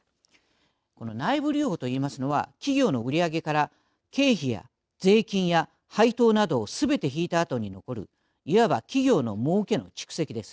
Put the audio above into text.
この内部留保と言いますのは企業の売り上げから経費や税金や配当などをすべて引いたあとに残るいわば企業のもうけの蓄積です。